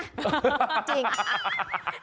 จริง